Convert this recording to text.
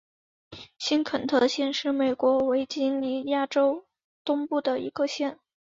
新肯特县是美国维吉尼亚州东部的一个县。